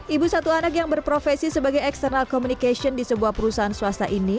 ibu satu anak yang berprofesi sebagai external communication di sebuah perusahaan swasta ini